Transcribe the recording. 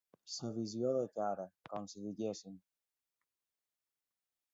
La visió de cara, com si diguéssim.